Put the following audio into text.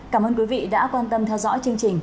cảm ơn quý vị đã quan tâm theo dõi chương trình